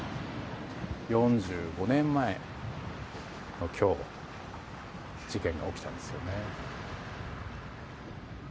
４５年前の今日事件が起きたんですよね。